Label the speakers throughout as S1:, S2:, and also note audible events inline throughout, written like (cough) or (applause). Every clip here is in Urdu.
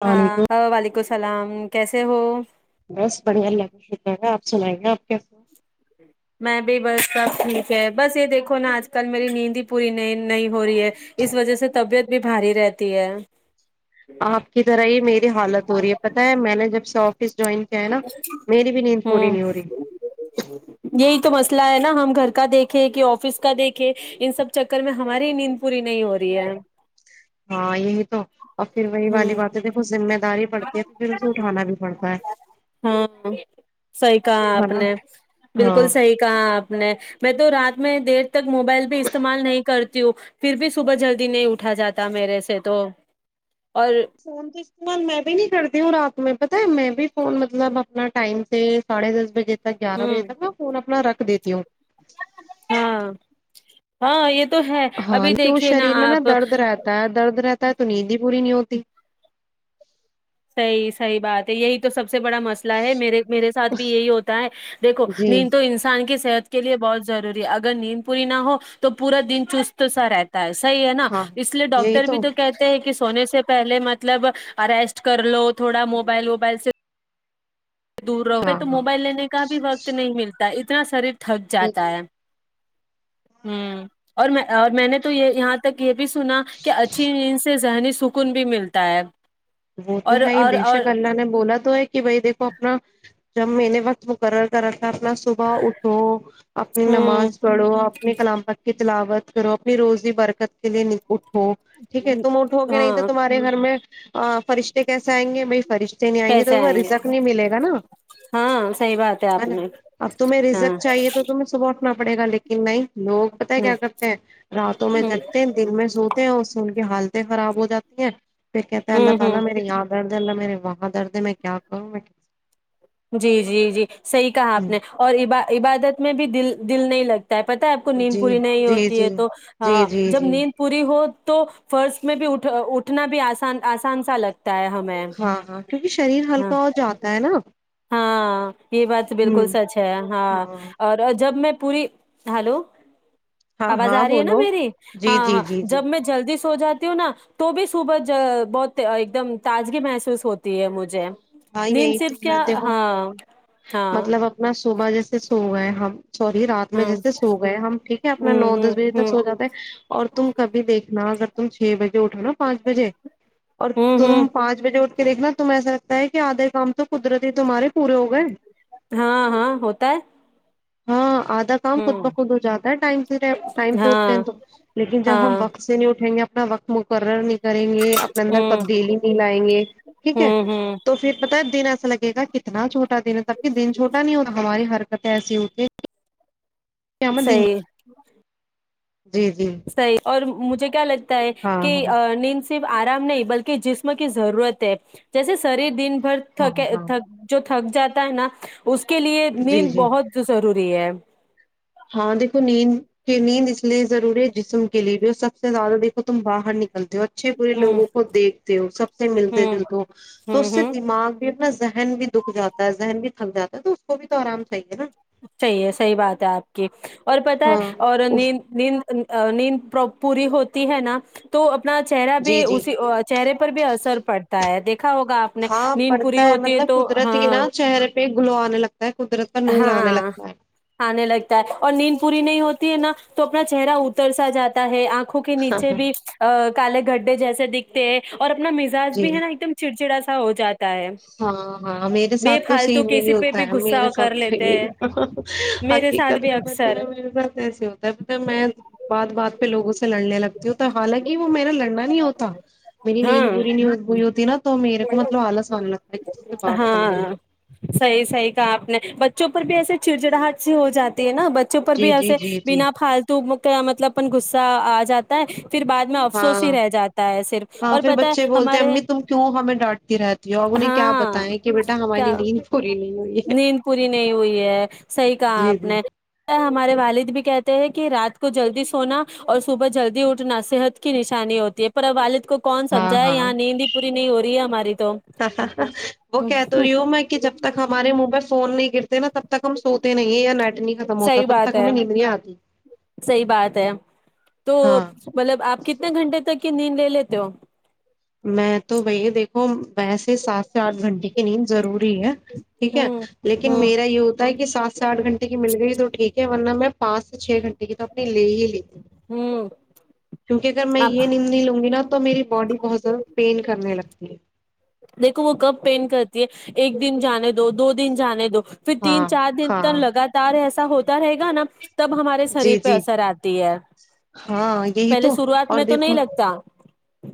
S1: السلام
S2: ہاں
S1: علیکم
S2: ہ وال (unintelligible) الیک ال سلام کیسے ہو (unintelligible)
S1: بس بڑھیا اللہ شکریہ ہے آپ سنائیے آپ کیس (inaudible)
S2: میں بھی بس سب ٹھیک ہے بس یہ دیکھو نا آج کل میری نیند بھی پوری نہیں نہیں ہو رہی ہے اس وجہ سے طبیعت بھی بھاری رہتی ہے (unintelligible)
S1: آپ کی طرح ہی میری حالت ہو رہی ہے پتاہ ہے میں نے جب ساف (unintelligible)
S2: ہ
S1: نہیں ہو رہی
S2: یہی تو مسئلہ ہے نا ہم (unintelligible) گھر کا دیکھے کہ آفس کا دیکھے ان سب چکر میں ہماری نیند پوری نہیں ہو رہی ہے (unintelligible)
S1: ہاں یہ تو اور پھر وہی والی
S2: ہوں
S1: باتیں دیکھو ذمہ دار (unintelligible) پڑھتے پھر اسے اٹھانا بھی پڑنا (unintelligible)
S2: ہاں صحی کہا
S1: ہے
S2: آپ
S1: نا
S2: نے بالکل
S1: ہاں
S2: صحی کہا آپ نے میں (unintelligible) تو رات میں دیر تک موبائل بھی استعمال نہیں کرتی ہوں پھر بھی صبح جلدی نہیں اٹھا جاتا میرے سے تو (unintelligible)
S1: سون تو استال میں بھی نہیں کرتی ہوں رات میں بس (unintelligible) س میں بھی فون مطلب اپنا ٹائم سے ساڑھے دس بجے (unintelligible) تو گارہ بجے
S2: ہوں
S1: تک ن فون اپنا رکھ (unintelligible) دیتی ہوں (unintelligible)
S2: ہاں ہاں یہ (unintelligible)
S1: ہاں
S2: ابھی
S1: کیوں
S2: دیکھیے
S1: شریر میں نا
S2: آپ
S1: درد رہتا ہے درد رہتا تو نہیں جی (unintelligible) گری نہیں ہوتی (unintelligible)
S2: صحیح صحیح بات ہے یہی تو سب سے بڑا مسئلہ ہے میر میرے ساتھ بھی یہی ہوتا ہے دیکھو
S1: جی
S2: نیند تو انسان کی صحت (unintelligible) کے لیے بہت ضروری ہے اگر نیند پوری نہ ہو تو پورا دن چست سا رہتا (unintelligible) صحی ہے نا
S1: ہاں
S2: اس لیے ڈاکٹر بھی تو کہتے ہیں کہ ہونے سے پہلے مطلب ارسٹ کچ کر لو تھوڑا موبائل ووبائل سے دور رہوے
S1: ہاں
S2: تو
S1: ہاں
S2: موبائل لینے کا بھی وقت نہیں ملتا ہے اس ا سر تھک
S1: جی
S2: جاتا
S1: جی
S2: ہے ہوں اور میں اور میں نے تو یہ یہاں تک یہ بھی سنا کہ اچھی سے ذہنی سکون بھی ملتا ہے
S1: وہ تو
S2: اور
S1: ہے
S2: اور
S1: بے
S2: اور
S1: شک اللہ نے بولا تو ہے کہ بھائی دیکھ اپنا جب میے وقت مقرر کر اپنا صبح اٹھو اپنی
S2: ہوں
S1: نماز پڑھو اپنی کلام پت کی بلاوت کرو اپنی روزی برکت لیے اٹھو ٹھیک ہے تم اٹھو کہ نہیں تو
S2: ہاں
S1: تمہارے گھر میں ہ فرشتے کیسے آئیں گے ب فرشتے نہیں آئیں گے تویں رزک نہیں ملے گا نا
S2: ہاں صحیح بات ہے آپ
S1: نا
S2: نے
S1: اب تمہیں
S2: ہاں
S1: رزک چاہیے تو تمہیں صبح اٹنا پڑےا لیکن نہیں لوگ پت ہے
S2: نہیں
S1: کیا کرتے ہیں راتوں میں
S2: ہ
S1: جگتے ہیں دن میں سوتے ہیں اور سے ان کی حالتیں خراب ہو جاتی ہیں پ کہتے
S2: ہ
S1: پہل پہا
S2: ہ
S1: مے یاد آ ج لہ میرے وہاں درد ہے میں کیا کہوں
S2: جی جی جی صحیح کہا آپ
S1: کروں؟
S2: نے اور ا بار عبادت میں بھی دل دل نہیں لگتی پتا ہے آپ کو نیند
S1: جی
S2: پوری نہیں
S1: جی
S2: ہوتی
S1: جی
S2: ہے تو
S1: جی
S2: ہاں
S1: جی
S2: جب
S1: جی
S2: نیند پوری ہو تو فرسٹ میں بھی اٹھ اٹھنا بھی آس آسان سا لگتا ہے ت ہمیں
S1: ہاں ہاں کیونکہ شریر
S2: ہاں
S1: ہلکا ہو جاتا ہے نا
S2: ہاں یہ بات
S1: ہوں
S2: بالکل سچ ہے ہاں اور جب میں پوری ہلو
S1: ہاں
S2: آواز
S1: ہاں
S2: آ رہی ہے نا
S1: بولو
S2: میری
S1: جی
S2: ہاں
S1: جی
S2: ہاں
S1: جی جی
S2: جب میں جلدی ہو جاتی ہو نا تو بھی صبح بہت ایک دم تازگی محسوس ہوتی ہے مجھے نیند
S1: ہئیئی تو
S2: صرف کیا
S1: (unintelligible) دیکھو
S2: ہاں ہاں
S1: مطلب اپنا صبح جیسے (unintelligible) ہوا ہے ہماں (unintelligible) سوری رات میں
S2: ہوں
S1: جیسے سو گئے ہم ٹھیک ہے اپنا
S2: ہوں
S1: نو دس
S2: ہوں
S1: بجے تک
S2: ہوں
S1: سو جاتے ہے (unintelligible) اور تم کبھی دیکھنا اگر تم چھ بجے اٹھو نا پانچ بجے (unintelligible) اور
S2: ہوں
S1: تم
S2: ہوں
S1: پانچ بجے اٹ (unintelligible) یکھنا ت توم ایسا (unintelligible) تا ہے کہ آدھے کام تو قدرتی تمہارے پورے ہو گئے (unintelligible)
S2: ہاں ہاں ہوتا ہے (unintelligible)
S1: ہاں آدھا کام خود
S2: ہوں
S1: بخود ہو جاتا ہے ٹائم سے ٹائم سے اٹھتے
S2: ہاں
S1: ہیں تو لیکن جب
S2: ہاں
S1: ہم وقت سے نہیں اٹھیں گے (unintelligible) ن وک مکر ن کریں گے اپنے اندر
S2: ہوں
S1: تبدیلی نہیں لائیں گے ٹھیک ہے
S2: ہوں
S1: (unintelligible)
S2: ہوں
S1: تو پھر پتا دن ایسا لگے گا کتنا چھوٹا دن ہے تب کہ دن چھوٹا نہیں ہوتا ہماری حرکتیں ایسی ہوتی ہیں (unintelligible) کہ ہمیں دن
S2: صی (unintelligible)
S1: جی جی
S2: صحیح اور مجھے ج کیاا ہے
S1: ہاں ہاں
S2: کہ نین سے ف آرام نہیں بلکہ جسم کی ضرورت ہے جیسے س سریر دن بھر تھک
S1: ہاں ہاں
S2: تھک جو ت تھک جاتا ہے نا اس کے لیے
S1: جی
S2: نیند
S1: جی
S2: بہتضرور ضروری ہے
S1: ہاں دیکو نیند کی نیند اس لیے ضروری ہے جسم کے لیے بھی اور سب سے زیادہ دیکھو تم باہر نکلتے ہو اور اچھے برے
S2: ہوں
S1: لوگوں کو دیکھتے ہو سب سے ملتے
S2: ہوں
S1: جلتے ہو تو
S2: ہوں
S1: اس سے
S2: ہوں
S1: دماغ بھی ا ذہن بھی دکھ جاتا ہے ذہن بھی تھک جاتا ہے تو اس کو بھی تو آرام چاہیے نا
S2: صحیح ہے صحیح بات ہے آپ اور پت ہے
S1: ہاں
S2: اور
S1: اس
S2: نیند نیند نیند پر پوری ہوتی ہے نا تو اپنا چہرہ
S1: جی
S2: بھی
S1: جی
S2: اسی چہرے پر بھی اثر پڑتا ہے د
S1: ہاں پڑتا ہے مطلب قدرتی ہی نا
S2: ہاں
S1: چہرے پہ گلو آنے لگتا ہے قدرت کا نور آنے
S2: ہاں
S1: لگتا ہے
S2: ہ ن ل آتا ہے اور نین پ ی نہیں ہوتی ہے نا تو اپنا چہرہ اتر سا جاتا ہے آنکھ آکھوں کے نیچے بھی کالے گھڈھے جیسے دکھتے ہیں اور اپنا مزاج
S1: جی
S2: بھی ہے نا ایکم چڑچڑا ہو جاتا ہے
S1: ہاں ہاں میرے
S2: بے
S1: ساتھ تو
S2: فالتو
S1: سیم یہی
S2: کسی پہ
S1: ہوتا
S2: بھی
S1: ہے
S2: غصہ
S1: میرے
S2: کر
S1: ساتھ
S2: لیتے ہیں میرے ساتھ
S1: حقیقت
S2: بھی
S1: میں بتا
S2: اکثر
S1: ہے میرے ساتھ ایسے ہوتا ہے پت میں بات بات پہ لوگوں سے لڑنے لگتی ہوتا حالانکہ وہ میرا لڑنا نہیں ہوتا میری نید
S2: ہاں
S1: پورری نہیں ب ہوتی نا تو میرے کو مطلب آلس (inaudible) بات کرنے
S2: ہاں
S1: میں
S2: صحی صحی کہا آپ نے چوپ بھی ایسے چڑچڑ ہاد سے ہو جاتی نا بچوں پر
S1: جی
S2: بھی
S1: جی
S2: ایے
S1: جی جی
S2: بنا پالتو مطلب اپن گغصہ آ جاتا ہے پھر بعد میں
S1: ہاں
S2: افسوس ہی رہ جاتا ہے صرف
S1: ہاں
S2: اور
S1: پھر
S2: پتا ہے
S1: بچے بولتے
S2: ہمارے
S1: امی تم کیوں ہمیں ڈانٹتی رہتی ہو ا انہیں کیا بتا
S2: ہاں
S1: ہے
S2: نیند پوری نہیں ہوئی ہے صحیح کہا
S1: جی
S2: آپ
S1: جی
S2: نے ہمارے والد بھی کہتے ہیں کہ کہ رات کو جلدی سونا اور صبح جلدی اٹھنا صحت کی نشانی ہوتی ہے پر والد کے اس کو کون
S1: ہاں
S2: سمجھا ہے
S1: ہاں
S2: یہاں نیند ہی پوری نہیں ہو رہی ہے ہماری تو
S1: وہ کہ تو یوں میں کہ جب تک ہمارے من میں فون نہیں ا تب تک ہم سوتے نہیں یا نیٹ نہیں ختم ہوتا
S2: صحیح
S1: تب
S2: بات
S1: تک
S2: ہے
S1: ہمیں ندری آتی
S2: صحیح بات ہے تو
S1: ہاں
S2: مطلب آپ کتنے گھنٹے تک کی نیند لے لیتے ہو
S1: میں تو بھیا دیکھو ویسے سات سے آٹھ گھنٹے کی نیند ضروری ہے ٹھیک ہے
S2: ہوں
S1: لیکن
S2: ہوں
S1: میرا یہ ہوتا ہے کہ سات سے آٹھ گھنٹے کی مل گئی تو ٹھیک ہے ورنہ میں پانچ سے چھ گھنٹے کی تو اپنی لے ہی لے
S2: ہوں
S1: کیونکہ اگر میں
S2: آپ
S1: یہ ند نہیں لوں گی نا تو تو میری باڈی بہت پین کرنے لگتی ہے
S2: دیکھو وہ کب پینٹ کرتی ہے ایک دن جانے دو دو دن جانے دو پھر تین
S1: ہاں
S2: چار دن تو
S1: ہاں
S2: لگاتار ایسا ایسا ہوتا رہے گا نا تب ہمارے شریر
S1: جی
S2: پہ
S1: جی
S2: اثر آتی ہے
S1: ہاں یہی
S2: پہلے
S1: تو
S2: شروعات
S1: اور
S2: میں تو نہیں
S1: دیکھو
S2: لگتا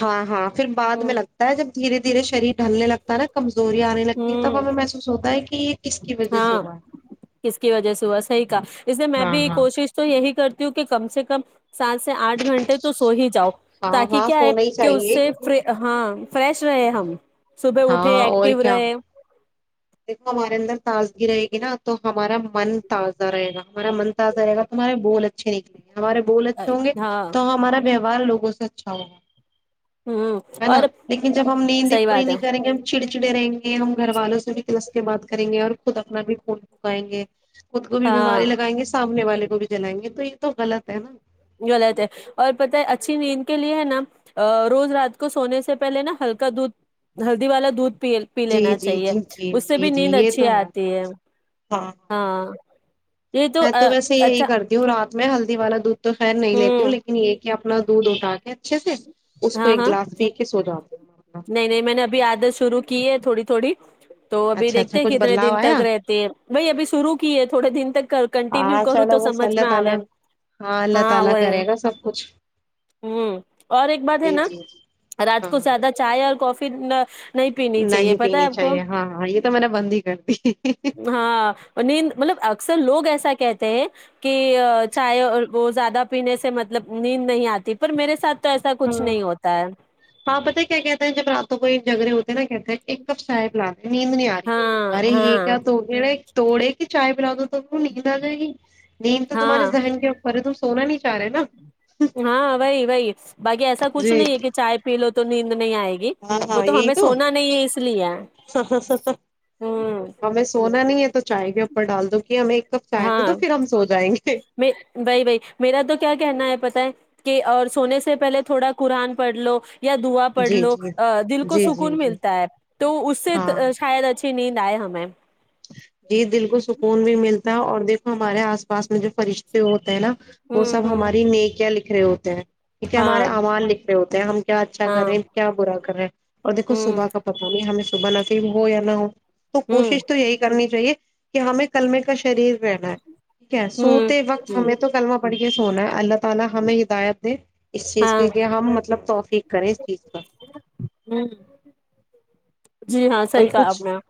S1: ہاں ہاں پھر بعد
S2: ہ
S1: میں لگتا ہے جب دھیرے دھیر شریر ڈالنے لگتا نا کمزوریا آنے لگتی ہے تب ہمیں محسوس ہوتا ہے کہ یہ کس کی وجہ سے
S2: ہاں
S1: ہوا ہے
S2: کس کی وجہ سے ہوا صحیح اسے میں
S1: ہاں
S2: بھی
S1: ہاں
S2: کوشش تو یہی کرتی کہ کم سے کم سات سے آٹھ گھنٹے تو سو ہی جاؤ
S1: ہاں
S2: تاکہ
S1: ہاں
S2: کیا ہے
S1: سونا ہی
S2: کہ اس
S1: چاہیے
S2: سے
S1: کیونکہ
S2: ہاں فریش شے ہم ہم صبح اٹھے
S1: ہاں اور
S2: ایکٹیو
S1: کیا
S2: رہے
S1: دیکھو ہمارے اندر تازگی رہے گی نا تو ہمارا من تازہ رہےا ہمارا من تازہ رہے گا تمہارے بول اچھے نکلیں گے ہمارے بول اچھے ہوں گے
S2: ہاں
S1: تو ہمارا ار لوگوں سے اچھا ہوگا
S2: ہوں
S1: ہے نا
S2: اور
S1: لیکن جب ہم نیندیں
S2: صحیح
S1: پوری
S2: بات ہے
S1: نہیں کریں گے ہم چڑ چڑے رہیں گے ہم گھر والوں سے بھی سے بات کریں گے اور خود اپنا بھی فون پھکائیں گے خود کو بھی
S2: ہاں
S1: بیماری لگائیں گے سامنے والے کو بھی جلائیں گے تو یہ تو غلط ہے نا
S2: غلط ہے اور پتہ اچھی نیند کے لیے ہے نا روز رات کو سونے سے پہلے نا ہلکا دودھ ہلدی والا دودھ پی پی
S1: جی
S2: لینا
S1: جی
S2: چاہیے
S1: جی جی
S2: اس سے
S1: جی
S2: بھی
S1: جی
S2: نیند
S1: یہ
S2: اچھی
S1: تو
S2: آتی ہے ہاں
S1: میں تو ویسے
S2: اچھا
S1: یہی کرتی ہوں رات میں ہلدی والا دھ تو خیر نہیں لیتی ہوں لیکن ایک کہ اپنا دودھ اٹھا کے اچھے سے اس کو
S2: ہاں
S1: ایک
S2: ہاں
S1: گلاس پی کے سوجا د
S2: نہیں نہیں میں نے ابھی عادت شروع کی ہے تھوڑی تھوڑی تو ابھی
S1: اچھا اچھا
S2: دیکھتے
S1: کچھ
S2: کتنے
S1: بدلاؤ
S2: دن
S1: آیا
S2: تک رہتے ہے بائی ابھی سروع کی ہے تھوڑے دن تک کنٹینیو
S1: ہاں
S2: کروں تو
S1: چلو بس
S2: سمجھ
S1: اللہ
S2: میں آوئے
S1: تعالی اللہ
S2: ہاں
S1: تعالی
S2: وہ
S1: کرے گا سب کچھ
S2: ہ اور ایک بات ہے
S1: جی
S2: نا
S1: جی جی
S2: رات کو
S1: ہاں
S2: زیادہ اور کافی نہ نہیں پین چاہیے
S1: نہیں
S2: پت ہے
S1: پینی
S2: آپ کو
S1: چاہیے ہاں ہاں یہ تو میں نے بند ہی کر دی
S2: ہاں نیند مطلب اکثر لوگ ایسا کہتے ہیں کہ چائے اور وہ زیادہ پینے سے مطلب نیند نہیں آتی پر میرے ساتھ تو ایسا
S1: ہاں
S2: کچھ نہیں ہوتا ہے
S1: ہاں پتہ ہے کیا کہتے جب راتوں کوئی جگرے ہوتے نا کیا ایک کب کپ چائے پلا دے نیند نہیں آ
S2: ہاں
S1: ارے یہ
S2: ہاں
S1: کیا تو توڑے چائے پلا دو نیند آ جائے گی نیند تو
S2: ہاں
S1: تمہارےذہن کے اوپر ہے تو سونا نہیں چاہ رہے نا
S2: ہاں وہائی وائی باقی ایسا کچھ
S1: جی
S2: نہیں ہے کہ چائے پی تو نیند نہیں آئے گی
S1: ہاں
S2: وہ
S1: ہاں یہی
S2: ہمیں
S1: تو
S2: سونا نہیں ہے اس لیے ہے۔ ہوں
S1: ہمیں سونا نہیں ہے تو چائے کے اوپر ڈال دو کہ ہم ایک کپ چائے دے دو
S2: ہاں
S1: تو پھر ہم سو جائیں گے
S2: میں بی بئی میرا تو کیا کہنا ہے پتا ہے کہ اور سونے سے پہلے تھوڑا قرآن پڑھ لو یا دوا پڑھ
S1: جی
S2: لو
S1: جی
S2: دل کو
S1: جی جی
S2: سکون
S1: جی
S2: ملتا ہے تو اس سے
S1: ہاں
S2: شاید اچ نیند آئے ہمیں
S1: جی دل کو سکون بھی ملتا اور دیکھو ہمارے آس پاس میں جو فرہشتے ہوتے ہیں نا وہ
S2: ہوں
S1: سب
S2: ہوں
S1: ہماری میں کیا ہوتے ہیں کیونکہ ہمارے
S2: ہاں
S1: آوان نکھلے ہوتے ہیں ہم کیا اچھا
S2: ہاں
S1: کر رہے ہیں کیا برا کر رہے ہیں اور دیکھو صبح
S2: ہوں
S1: کا پتا نہیں ہمیں صبح نہ صف ہو یا نہ ہو تو
S2: ہوں
S1: کوشش تو یہی چاہیے کہ ہمیں کللمے کا شریر
S2: ہوں ہوں ہاں ہوں
S1: (inaudible)
S2: جی ہاں
S1: اور
S2: صحیح کہاپ
S1: کچھ
S2: نے (inaudible)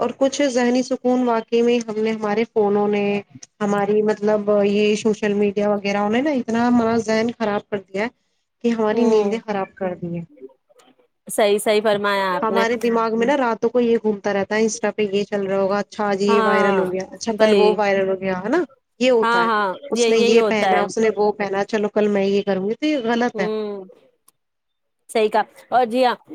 S1: اور کچھ ذہنی سکون واقعے میں ہم نے ہمارے فونوں نے ہماری مطلب یہ سوشل میڈیا وغیرہہ نے نا اتنا ما ذہن خراب کر دیا ہے کہ ہماری
S2: ہوں
S1: نیندیں خراب کر دی ہیں
S2: صحیح صحیح فرمایا آپ نے
S1: ہمارے دماغ نا راتوں کو یہ گھومتا رہتا ہے اس طرح پہ یہ چل رہا ہوگا اچھا جی یہ وائرل
S2: ہاں
S1: ہو گیا اچھا کل وہ
S2: وہی
S1: وائرل ہو گیا ہے نا یہ ہوتا
S2: ہاں
S1: ہے
S2: ہاں
S1: اس نے
S2: یہی
S1: یہ
S2: ہوتا
S1: پہنا ہے اس نے وہ پہنا چلو کل میں یہ کر غلط ہے
S2: صحی کا اور جی آپ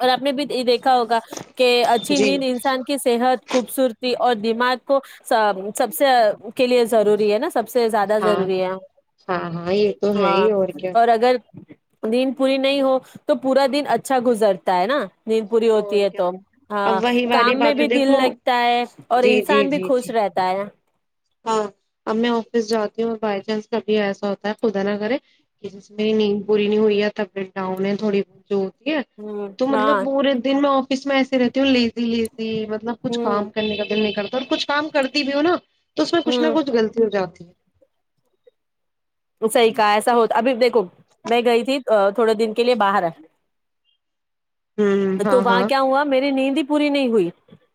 S2: اور آپ نے بھی دیکھ ہوگا کہ اچھی
S1: جی
S2: نیند انسان کی صحت خوبصورتی اور دماغ کو سب سے کے لیے ضروری ہے نا سب سب سے زیادہ
S1: ہاں
S2: ضروری ہے
S1: ہاں ہاں یہ تو ہے
S2: ہاں
S1: ہی کیا
S2: اور اگر دین پوری نہیں ہو تو پورا دن اچھا گزرتا ہے نا پوری
S1: اور
S2: ہوتی ہے
S1: کیا
S2: تو ہاں
S1: اب وہی والی
S2: کام میں
S1: باتیں
S2: بھی دل
S1: دیکھو
S2: لگتا ہے اور
S1: جی جی
S2: انسان بھی
S1: جی جی
S2: خوش رہتا ہے
S1: ہاں اب میں آفس جاتی ہوں بائی چانس کبھی ایسا ہوتا ہے خدا نہ کرے کہ جس میں نیند پوری نہیں ہوئی ہے تبیعت ڈاؤن ہے تھوڑی بہت جو یک ہے
S2: ہ
S1: تو مطلب
S2: ہاں
S1: پورے دن میں آفس میں ایسے رہتی ہوں لیزی لیزی مطلب کچھ
S2: ہ
S1: کام کرنے کا دل نکلتا اور کچھ کام کرتی بھی ہو نا تو اس میں کچھ
S2: ہ
S1: نہچھغلطی ہو جاتی ہے
S2: صحیح کہ ایسا ہوتا ابھی دیکھو میں گئی تھی تھوڑے دن کے لیے باہر
S1: ہوں
S2: تو
S1: ہاں
S2: وہاں
S1: ہاں
S2: کیا ہوا میری نیندی پوری نہیں ہوئی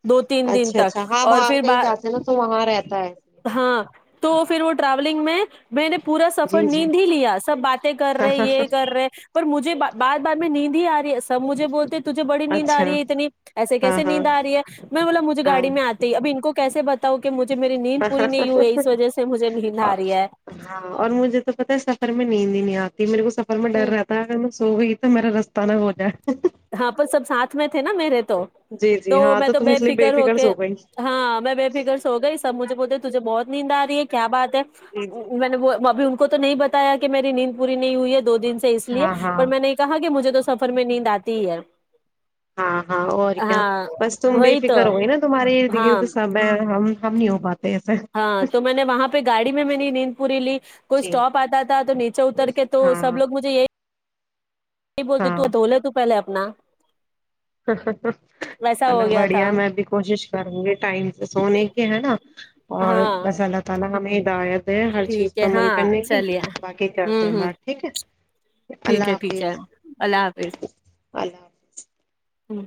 S2: دو تین دن
S1: اچھا
S2: تک
S1: اچھا ہاں
S2: اور
S1: باہر
S2: پھر
S1: کہیں
S2: ب
S1: جاتے ہیں نا تو وہاں رہتا ہے
S2: ہاں تو پھر وہ ٹراولنگ میں میں نے پورا سفر
S1: جی جی
S2: نیند ہی لیا سب باتیں کر رہے یہ کر رہے پر مجھے بار بار میں نیند ہی آ رہی ہے سب مجھے بولتے تجھے بڑی نیند آ
S1: اچھا
S2: رہی ہے اتنی ایسے کیس
S1: ہاں ہاں
S2: نیند آ رہی ہے میں بولا مجھے گاڑی میں آتی ہے اب ان کو کیسے بتاؤ کہ مجھے میری نیند پوری نہیں ہوئی اس وجہ سے مجھے نیند آ رہی ہے
S1: ہاں اور مجھے تو پتا ہے سفر میں نیند نہیں آ میرے کو سفر میں ڈر رہتا ہےگر میں سو گئی تو میرا رستہ نہا ہو جائے
S2: ہاں پر سب ساتھ میں تھے نا میرے تو
S1: جی جی
S2: تو
S1: ہاں
S2: میں تو
S1: تم
S2: بے
S1: اس لیے
S2: فکر ہو کے
S1: سو گئی
S2: ہاں میں بے فکر س ہو گئی سب مجھے بولتے تجھے بہت نیند آ رہی ہے کیا بات
S1: جی جی
S2: میں نے وہ ابھی کو تو نہیں بتایا کہ میری نیند پوری نہیں ہوئی ہے دو دن سے اس لیے
S1: ہاں ہاں
S2: پر میں نے نہیں کہا کہ مجھے تو سفر میں نیند آتی ت
S1: ہاں ہاں اور کیا بس تم بے
S2: وہی تو
S1: فکر ہو گی نا تمہارے ارد
S2: ہاں
S1: گرد سب ہیں ہم ہم نہیں ہو پاتا
S2: ہاں تو میں نے وہاں پہ گاڑی میں میں مین پوری لی کوئی
S1: جی
S2: اسٹاپ آتا تھا تو نیچے اتر کے تو
S1: ہاں
S2: سب لوگ مجھے یہی نہیں بولتے تو
S1: ہاں
S2: دھولے تو پہلےپ نہ
S1: چلو
S2: تھا
S1: بڑیا میں بھی کوشش کروں گی ٹائم سے سونے کی ہے نا (inaudible)
S2: ہاں
S1: ات ہر چیز
S2: ٹھیک
S1: کو
S2: ہے
S1: عمل
S2: ہاں
S1: کرنے کی
S2: چلیے
S1: باقی کرتے
S2: ہوں
S1: ہیں
S2: ہوں
S1: بات ٹھیک ہے
S2: ٹھیک
S1: اللہ
S2: ہے ٹھیک ہے
S1: حافظ
S2: اللہ حافظ
S1: اللہ حافظ
S2: ہوں